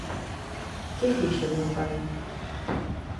Que fixo o meu pai?